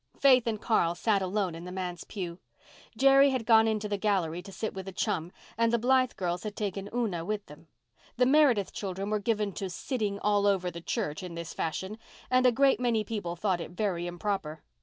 Faith and Carl sat alone in the manse pew. Jerry had gone into the gallery to sit with a chum and the Blythe girls had taken Una with them. The Meredith children were given to "sitting all over the church" in this fashion and a great many people thought it very improper.